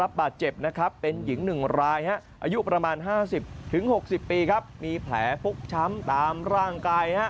อายุประมาณ๕๐๖๐ปีมีแผลพลุกช้ำตามร่างกาย